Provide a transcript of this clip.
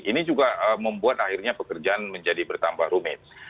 ini juga membuat akhirnya pekerjaan menjadi bertambah rumit